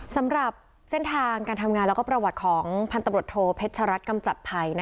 สำหรับเส้นทางการทำงานและประวัติของพันตำรวจโทเพชรัตนกำจัดภัย